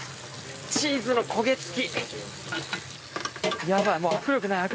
チーズの焦げつき。